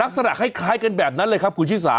ลักษณะคล้ายกันแบบนั้นเลยครับคุณชิสา